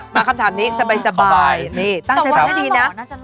มาคำถามนี้สบายตั้งใจให้ดีนะ